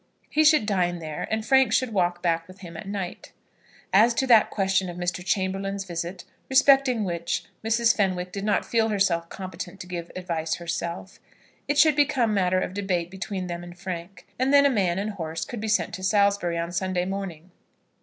He should dine there, and Frank should walk back with him at night. As to that question of Mr. Chamberlaine's visit, respecting which Mrs. Fenwick did not feel herself competent to give advice herself, it should become matter of debate between them and Frank, and then a man and horse could be sent to Salisbury on Sunday morning.